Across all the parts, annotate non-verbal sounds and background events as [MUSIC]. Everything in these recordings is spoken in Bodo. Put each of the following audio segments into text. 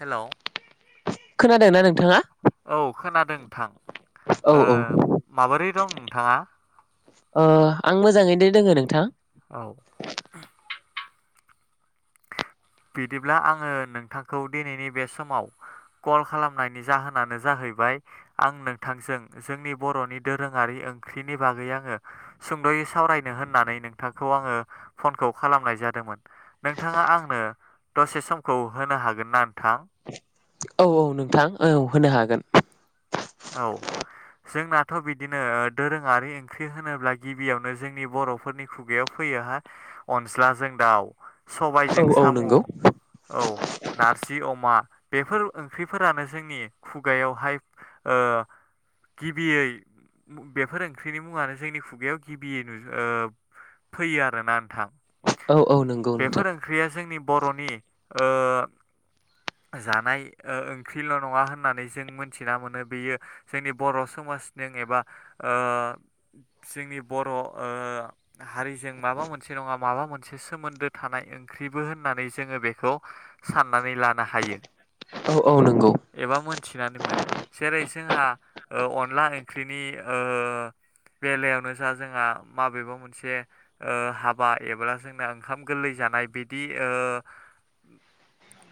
हेल' खोनादोंना नोंथाङा औव खोनादों नोंथां? औ ओ औ माबोरै दं नोंथाङा? अ आं मोजाङैनो दोङो नोंथां। औ [UNINTELLIGIBLE] बिदिब्ला आङो नोंथांखौ दिनैनि बे समाव कल खालामनायनि जाहोनानो जाहैबाय आं नोंथांजों जोंनि बर'नि दोरोङारि ओंख्रिनि बागै आङो सुंद' सावरायनो होननानै नोंथांखौ आङो फनखौ खालामनाय जादोंमोन। नोंथाङा आंनो दसे समखौ होनो हागोना नोंथां औ औ नोंथां औ होनो हागोन। औ। जोंनाथ' बिदिनो दोरोङारि ओंख्रि होनोब्ला गिबियावनो जोंनि बर'फोरनि खुगायाव। फैयो हाय अनज्लाजों दाउ। औ सबायजों औ साम' नंगौ औ नारजि अमा बेफोर ओंख्रिफोरानो जोंनि खुगायावहाय गिबियै बेफोर ओंख्रिनि मुङानो जोंनि खुगायाव गिबियै [UNINTELLIGIBLE] फैयो आरोना नोंथां। औ औ नंगौ नोंथां बेफोर ओंख्रिया जोंनि बर'नि जानाय ओंख्रिल' नङा होननानै जों मिनथिना मोनो बेयो जोंनि बर' समाज एबा जोंनि बर' हारिजों माबा मोनसे। मोनसे नङा माबा मोनसे सोमोन्दो थानाय ओंख्रिबो होननानै जोङो बेखौ साननानै लानो। हायो। औ औ नंगौ। थिनानै मोनो जेरै जोंहा अनला ओंख्रिनि बेलायावनो जा जोंहा माबेबा मोनसे हाबा एबा जोंना ओंखाम गोरलै जायो जानाय बिदि।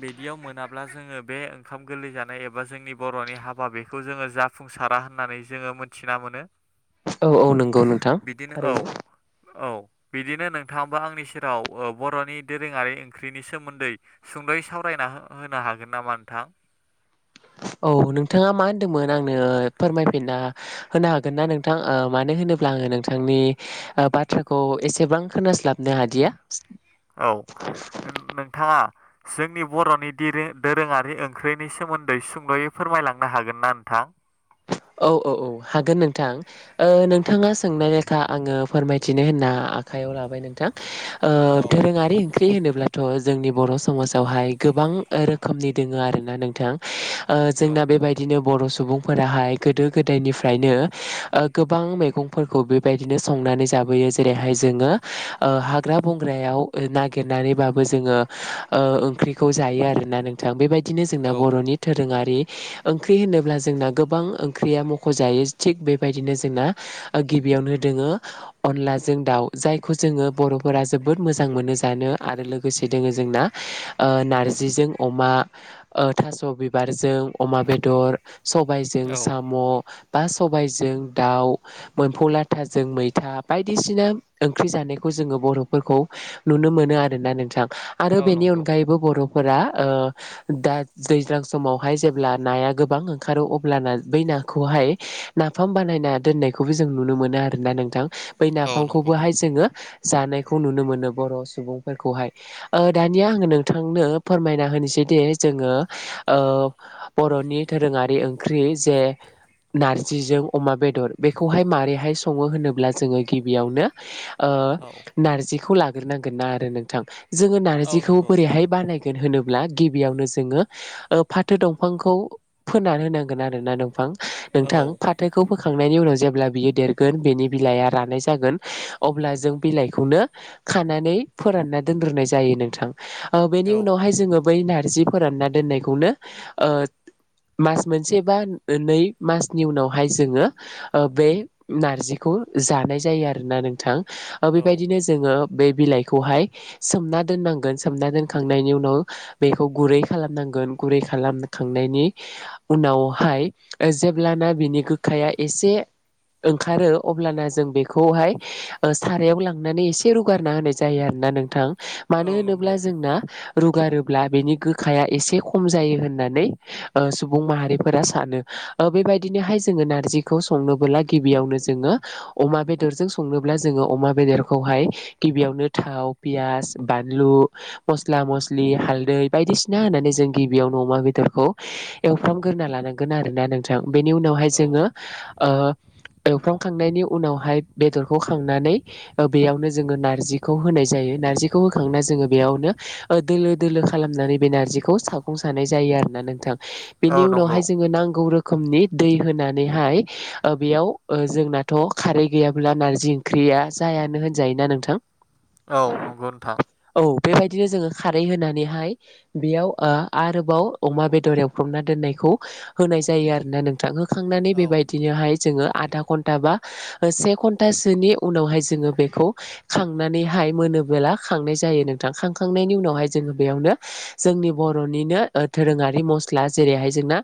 बिदियाव मोनाब्ला जोङो बे ओंखाम गोरलै जानाय एबा जोंनि बर'नि हाबा बेखौ जोङो जाफुंसार होननानै जोङो मोनथिना मोनो औ औ नंगौ नोंथां बिदिनो औ थारैनो औ बिदिनो नोंथाङाबो आंनि सेराव बर'नि दोरोङारि ओंख्रिनि सोमोन्दै सुंद' सावराय फरायना होनो हागोन नामा नोंथां औ नोंथाङा मा होन्दोंमोन आंनो फोरमायफिनना होनो हागोन ना नोंथां मानो होनो। अब्ला आङो नोंथांनि बाथ्राखौ एसेबां खोनास्लाबनो हादिया औ नोंथाङा। जोंनि बर'नि दोरोङारि ओंख्रिनि सोमोन्दै सुंद'यै फोरमायलांनो हागोन ना नोंथां औ औ औ हागोन नोंथां औ नोंथाङा सोंनाय लेखा आङो फोरमाय बिदिनो होनना आखाइयाव लाबाय नोंथां ओ औ दोरोङारि ओंख्रि होनोब्लाथ' जोंनि बर' समाजावहाय गोबां रोखोमनि दोङो आरोना नोंथां ओ औ जोंना बेबायदिनो बर' सुबुं फोराहाय गोदो गोदायनिफ्रायनो गोबां मैगंफोरखौ बेबायदिनो संनानै जाबोयो जेरैहाय जोङो हाग्रा बंग्रायाव नागिरनानैबाबो जोङो ओ ओंख्रिखौ जायो आरोना नोंथां बेबायदिनो जोंना औ बर'नि दोरोङारि ओंख्रि होनोब्ला जोंना गोबां ओंख्रिया मख'जायो थिग बेबायदिनो जोंना गिबियावनो दोङो अनला जों दाउ जायखौ जोङो बर'फोरा जोबोद मोजां मोनो जानो आरो लोगोसे दोङो जोंना ओ नारजिजों अमा ओ थास' बिबारजों अमा बेदर सबायजों औ साम' बा सबायजों दाउ एम्फौ लाथाजों मैथा बायदिसिना ओंख्रि जानायखौ जोंङो बर'फोरखौ नुनो मोनो आरोना नोंथां आरो औ बेनि नंगौ अनगायैबो बर' फोरा ओ दा दैज्लां समावहाय जेब्ला नाया गोबां ओंखारो अ ब्लाना बै नाखौहाय नाफाम बानायना दोननायखौबो जों नुनो मोनो आरोना नोंथां बै औ नंगौ नाफामखौबोहाय जोङो जानायखौ नुनो मोनो बर' सुबुंफोरखौहाय दानिया आङो नोंथांनो फोरमायना होनोसै बिदि जोङो ओ बर'नि दोरोङारि ओंख्रि जे नारजिजों अमा बेदर बेखौहाय माबोरैहाय सङो होनोब्ला जोङो गिबियावनो ओ औ नारजिखौ लाग्रोनांगोन ना आरो नोंथां जोङो औ नारजिखौ नंगौ बोरैहाय बानायगोन होनो ब्ला गिबियावनो जोङो फाथो दंफांखौ फोना होनांगोन आरोना दंफां औ नोंथां औ फाथोखौबो खांनायनि उनाव जेब्ला बियो देरगोन बेनि बिलाइआ रानाय जागोन अब्ला जों बिलाइखौनो खानानै फोरानना दोनग्रोनाय जायो नोंथां बेनि औ उनावहाय जोङो बै नारजि फोरानना दोननायखौनो ओ मा मोनसे बा नै मनि उनावहाय जोङो बे नारजिखौ जा मोननाय जायो आरोना नोंथां बेबायदिनो जोङो बे बिलाइखौहाय सोमना दोननांगोन सोमना दोनखांनायनि उनाव बेखौ गुरै खालामनांगोन गोन गुरै खालामखांनायनि उनावहाय जेब्लाना बिनि गोखाया एसे ओंखारो अब्लाना जों बेखौहाय सारायाव लांनानै एसे रुगारना होनाय जायो आरो ना नोंथां मानो औ नंगौ होनोब्ला जोंना रुगारोब्ला बेनि गोखाया एसे खम जायो होननानै ओ सुबुं माहारिफोरा सानो बेबायदिनोहाय जोङो नारजिखौ संनोबोला गिबियावनो जोङो अमा बेदरजों संनोब्ला जोङो अमा बेदरखौहाय गिबियावनो था, पियास, बानलु मस्ला मस्लि हालदै बायदिसिना होननानै जों गिबियावनो अमा बेदरखौ एवफ्रामग्रोना लानांगोन आरो ना नोंथां बेनि उनावहाय औ जोङो ओ एवफ्रांखांनायनि उनावहाय बेदरखौ खांनानै बेयावनो जोङो नारजि खौ होनाय जायो नारजिखौ होखांनानै जोङो बेयावनो दोलो दोलो खालामनानै बे नारजिखौ सागंजों सानाय जायो आरोना नोंथां बेनि औ नंगौ उनावहाय जोङो नांगौ रोखैम रोखोमनि दै होनानैहाय बेयाव जोंनाथ' खारै गैयाब्ला नारजि ओंख्रि या जायानो होनजायोना नोंथां औ नंगौ नोंथां औ बेबायदिनो जोङो खारै होनानैहाय बेयाव आरोबाव अमा बेदर एव फ्रामना दोननायखौ होनाय जायो आरोना नोंथां होखांनानै औ बेबायदिनोहाय जोङो आधा घन्टा बा से घन्टासोनि उनावहाय जोङो बेखौ खांनानैहाय मोन खांनाय जायो नोंथां खांखांनायनि उनावहाय जोङो बेयावनो जोंनि बर'निनो दोरों आरि मस स्ला जेरैहाय जोंना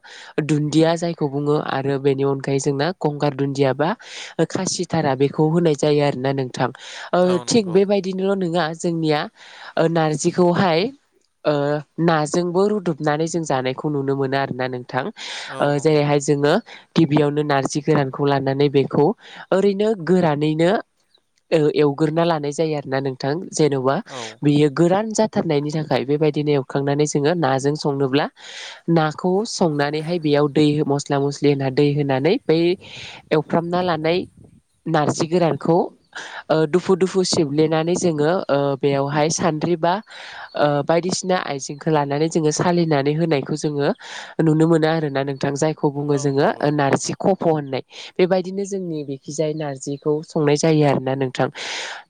दुन्दिया जायखौ बुङो आरो बेनि अनगायै जोंना गंगार दुन्दिया बा खासिथारा बेखौ होनाय जायो आरोना नोंथां ओ औ थिग नंगौ बेबायदिनोल' नङा जोंनिया ओ नारजिखौहाय ओ नाजोंबो रुदुबनानै जों जानाय खौ नुनो मोनो आरोना नोंथां औ ओ नंगौ जेरैहाय जोङो गिबियावनो नारजि गोरानखौ लानानै बेखौ ओरैनो गोरानैनो ओ एवग्रोना लानाय जायो आरो ना नोंथां जेनबा औ बियो गोरान जाथारनायनि थाखाय बेबायदिनो एवखांनानै जोङो नाजों संनोब्ला ा नाखौ संनानैहाय बेयाव दै मस्ला मस्लि होन दै होनानै बै एवफ्रामना लानाय नारजि गोरानखौ ओ दुफु दुफु सेब्लेनानै जोङो ओ बेवहाय सान द्रि बा ओ बायदिसिना आइजेंखो लानानै जोङो सालिना नै होनाय जोङो नुनो मोनो आरोना नोंथां जायखौ बुङो औ जोङो नंगौ नारजि खफ फ होननाय बेबायदिनो जोंनि बेखिजाय नारजिखौ संनाय जायो आरोना नोंथां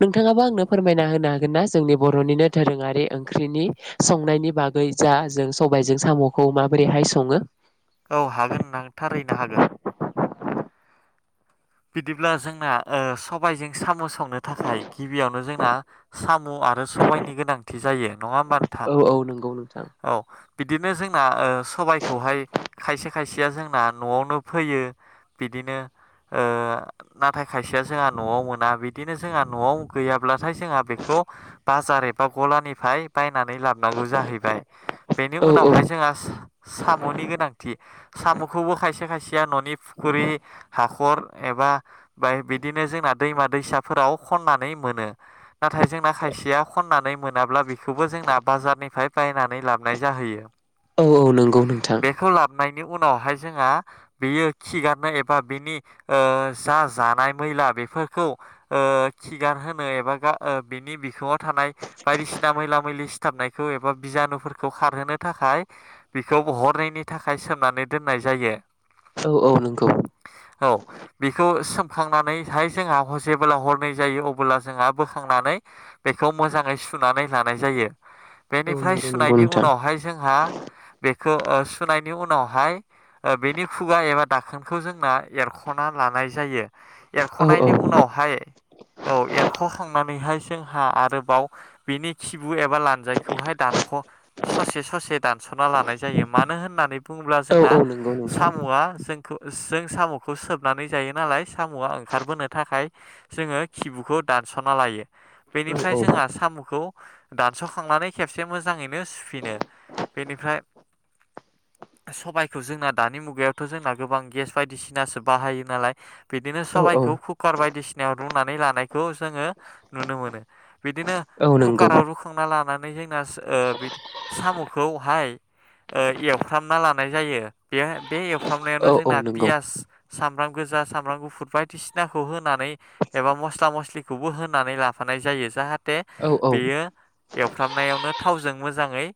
नोंथाङा बो आनों फोरमायना होनो हागोन ना जोंनि बरनिनो दोरोङारि ओंख्रिनि संनायनि बागै जा जों सबायजों सामखौ माबोरैहाय सङो औ हागोन नां थारैनो हागोन? बिदिब्ला जोंना ओ सबायजों साम स संनो थाखाय गिबियावनो जोंना साम आरो सबायनि गोनांथि जायो नङा होमबा नोंथां? औ औ नंगौ नोंथां औ बिदिनो जोंना ओ सबायखौहाय खायसे खायसेया जोंना नआवनो फोयो बि बिदिनो ओ नाथाय खायसेया जोंहा नआव मोना बिदिनो जोंहा नआव गैयाब्ला थाय जोंहा बेखौ बाजार एबा गलानिफ्राय बाय नानै लाबो नांगौ जाहैबाय बेनि औ औ उनाव जोंहा सा-साम नि गोनांथि सामखौबो खायसे खायसेया ननि फुखुरि हा खर एबा बा बिदिनो जोंना दैमा दैसाफोराव खननानै मोनो नाथाय जों ना खायसेया खननानै मोनाब्ला बेखौबो जोंना बाजारनिफ्राय बायनानै लाबोनाय जाहैयो औ औ नंगौ नोंथां नि उनावहाय जोंहा बियो खिगारनो एबा बिनि ओ जा जानाय मैला बेफोरखौ ओ खिगार होनो एबा‌ गा ओ बेन नि बिखुङाव थानाय बायदिसिना मैला मैलि सिथाबनायखौ एबा बिजानुफोरखौ खारहोनो थाखाय बिखौ हरनैनि थाखाय सोमनानै दोननाय जायो औ औ नंगौ औ बेखौ सोमखांनानैहाय जोंहा जेबोब्ला हरनै जायो अब्ला जोंहा बोखांनानै बेखौ मोजाङै सुनानै लानाय जायो औ बेनिफ्राय नंगौ नंगौ सुनायनि नोंथां उनावहाय जोंहा बे खौ ओ सुनायनि उनावहाय बेनि खुगा एबा दाखोनखौ जोंना एरखना लानाय जायो औ औ एरखनायनि उनावहाय औ एरख खांनानैहाय जोंहा आरोबाव बेनि खिबु एबा लान्जायखौहाय दानख ससे ससे दानसना लानाय जायो मानो होननानै बुङोब्ला औ जोंना औ नंगौ नोंथां सामआ जोंखौ जों साम खौ सोबनानै जायो नालाय सामआ ओंखारबोनो थाखाय जोङो खिबुखौ दानसना लायो औ बेनिफ्राय औ जोंहा सामखौ दानसखांनानै खेब से मोजाङैनो सुफिनो बेनिफ्राय सबायखौ जोंना दानि मुगायावथ जोंना गोबां गेस बायदिसि नासो बाहायो नालाय बिदिनो औ सबाइखौ कुकार बायदिसिनायाव रुनानै लानायखौ जोङो नुनो मोनो बिदिनो औ नंगौ कुकाराव रुखांना लानानै [UNINTELLIGIBLE] ना ओ बिदि सामखौहाय ओ एवफ्रामना लानाय जायो बे बे एवफ्रामनायावनो औ औ जोंना नंगौ पियास सामब्राम गोजा सामब्राम गुफुर बायदिसिनाखौ हो नानै एबा मस्ला मस्लिखौबो होनानै लाफानाय जायो जाहाथ थे औ औ बेयो एवफ्रामनायावनो थावजों मोजाङै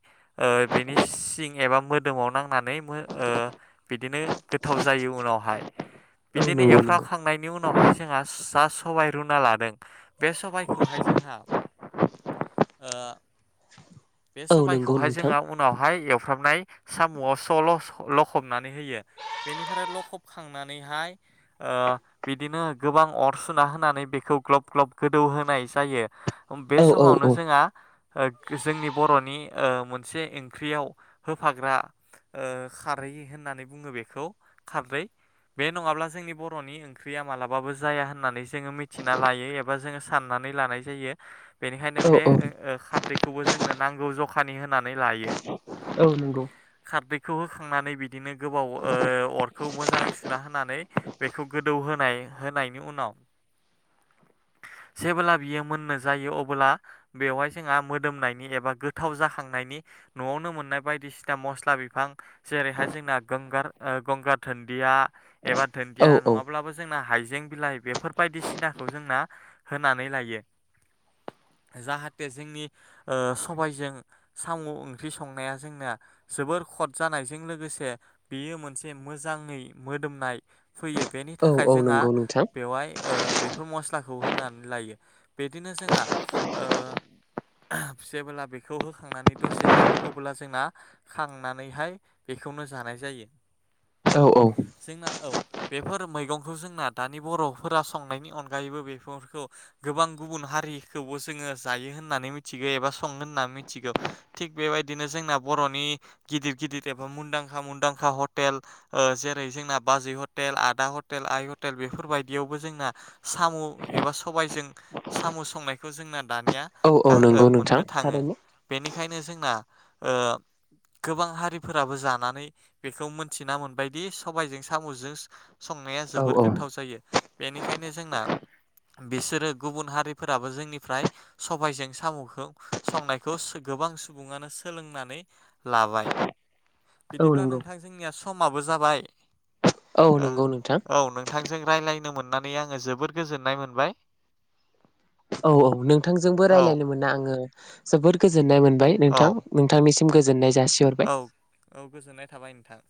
ओ बेनि सिं एबा मोदोमाव नांनानै मो ओ बिदिनो गोथाव जायो उनावहाय बिदिनो नंगौ एवफ्राम नंगौ खांनायनि उनावहाय जोंहा जा सबाय रुना लादों बे सबायखौहाय जोंहा ओ बे औ नंगौ सबायखौहाय नोंथां जोहा उनावहाय एव सुफ्राबनाय साम'आव स'ल' लखबनानै होयो बेनिफ्राय लखब खांनानैहाय ओ बिदिनो गोबां अर सुना होनानै बेखौ ग्लब ग्लब गोदौ होनाय जायो। बे औ औ औ समावनो जोंहा ओ जोंनि बर'नि ओ मोनसे ओंख्रियाव होफाग्रा ओ खारै होननानै बुङो बेखौ खारदै बे नङाब्ला जोंनि बर'नि ओंख्रिया मालाबाबो जाया होननानै जोङो मिथिना लायो एबा जोङो सान्ना नानै लानाय बेनिखायनो औ बे औ ओ खारदै खौबो जोंनो नांगौ जखानि होनानै लायो। औ नंगौ खारदैखौ होखांनानै बिदिनो गोबाव ओ अरखौ मोजाङै सुना होनानै बेखौ गोदौ होन होनाय होनायनि उनाव जेब्ला बियो मोननो जायो अब्ला बेवहाय जोंहा मोदोमनायनि एबा गोथाव जाखांनायनि न'आवनो मोननाय बायदिसिना मस्ला बिफां जेरैहाय जोंना गोंगार गंगार दुन्दिया एबा औ दुन्दिया औ नङाब्लाबो जोंना हाइजें बिलाइ बेफोरबायदि सिनाखौ जोंना होनानै लायो जाहाथे जोंनि ओ सबायजों साम' ओंख्रि संनाया जोंना जोबोर खद जानायजों लोगोसे बि बियो मोनसे मोजाङै मोदोमनाय फैयो बेनि औ थाखाय औ जोंहा नंगौ नोंथां बेवहाय ओ बेफोर मस्लाखौ होनानै लायो बिदिनो जोंहा [UNINTELLIGIBLE] बेखौ होखांनानै दसे जायो अब्ला जोंना खांनानैहाय बेखौनो जानाय जायो। औ औ जोंना औ बेफोर मैगंखौ जोंना दानि बर'फोरा संनायनि अनगायैबो बेफोरखौ गोबां गुबुन हारि रिखौबो जोङो जायो होननानै मिथिगो एबा संगोन होनना मिथिगौ थिग बेबायदिनो जोंना बर'नि गिदिर गिदिर एबा मुुंदांखा मुंदांखा [UNINTELLIGIBLE] [UNINTELLIGIBLE] जेरै जोंना बाजै हटेल आदा हटेल आइ हटेल बेफोरबायायदियावबो जोंना साम' एबा सबायजों साम' संनायखौ जोंना दानिया औ औ गा नंगौ ओ नोंथां मोननो थाङो थारैनो बेनिखायनो जोंना ओ गोबां हारिफोराबो जानानै बेखौ मोनथिना मोनबायदि सबायजों साम'जों संनाया औ जोबोर औ गोथाव जायो बेनिखायनो जोंना बिसोरो गुबुन हारिफोराबो जोंनिफ्राय सबाइजों साम'खौ संनायखौ गोबां सुबुङानो सोलोंनानै लाबाय औ बिदिब्ला नंगौ नोंथां जोंनिया समाबो जाबाय औ नंगौ ओं नोंथां औ नोंथांजों रायज्लायनो मोन नानै आङो जोबोर गोजोन्नाय मोनबाय औ औ नोंथांजोंबो औ राय्लायनो मोना आङो जोबोद गोजोननाय मोनबाय औ नोंथां नोंथांनिसि गोजोननाय जासिहरबाय औ औ गोजोननाय थाबाय नोंथां